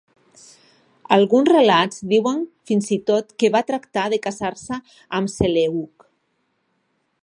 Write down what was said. Alguns relats diuen fins i tot que va tractar de casar-se amb Seleuc.